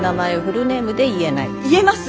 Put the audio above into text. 言えます。